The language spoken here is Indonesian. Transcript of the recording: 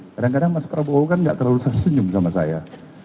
kadang kadang mas prabowo kan gak terlalu sesenyum sama saya